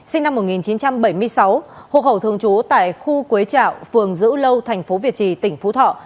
sinh năm một nghìn chín trăm bảy mươi sáu hộp hậu thường trú tại khu quế trạo phường giữ lâu tp việt trì tỉnh phú thọ